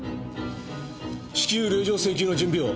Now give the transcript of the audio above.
至急令状請求の準備を。